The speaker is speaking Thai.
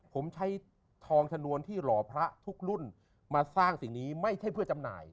ผมใช้ทองชนวนที่หล่อพระทุกรุ่นมาสร้างสิ่งนี้ไม่ใช่เพื่อจำหน่าย